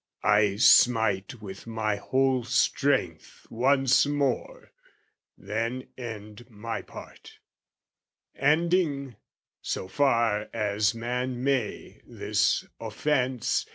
I smite With my whole strength once more, then end my part, Ending, so far as man may, this offence.